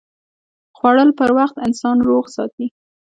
خوړل پر وخت انسان روغ ساتي